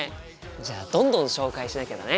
じゃあどんどん紹介しなきゃだね。